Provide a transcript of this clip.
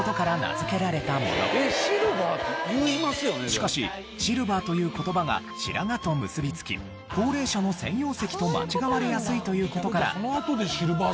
しかし「シルバー」という言葉が白髪と結びつき高齢者の専用席と間違われやすいという事から。